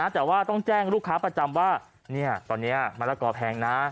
แต่ว่าต้องแจ้งลูกค้าประจำว่าตอนนี้มะละกอแพงนะ